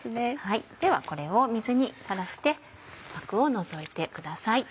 ではこれを水にさらしてアクを除いてください。